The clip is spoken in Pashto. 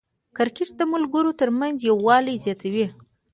کرکټ د ملګرو ترمنځ یووالی زیاتوي.